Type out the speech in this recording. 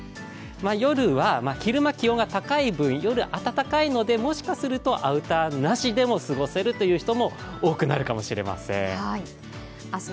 夜は、昼間気温が高い分、夜暖かいのでもしかするとアウターなしでも過ごせる人が多くなるかもしれません。